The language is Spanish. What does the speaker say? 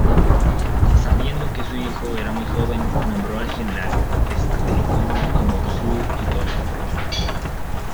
Sabiendo que su hijo era muy joven, nombró al general Estilicón como su tutor.